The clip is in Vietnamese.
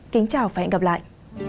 kính chào và hẹn gặp lại